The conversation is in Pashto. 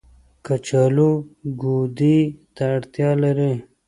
کچالو ګودې ته اړتيا لري